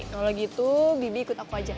kalau gitu bibi ikut aku aja